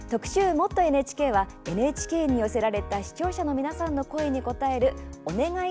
「もっとＮＨＫ」はＮＨＫに寄せられた視聴者の皆さんの声に答える「おねがい！